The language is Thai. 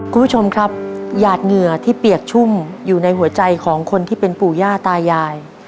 คุณผู้ชมครับหยาดเหงื่อที่เปียกชุ่มอยู่ในหัวใจของคนที่เป็นปู่ย่าตายาย